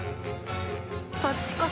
そっちこそ。